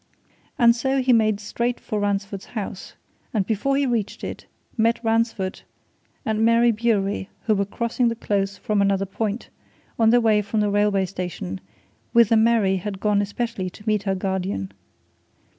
And so he made straight for Ransford's house, and before he reached it, met Ransford and Mary Bewery, who were crossing the Close from another point, on their way from the railway station, whither Mary had gone especially to meet her guardian.